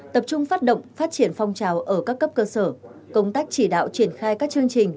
tập trung phát động phát triển phong trào ở các cấp cơ sở công tác chỉ đạo triển khai các chương trình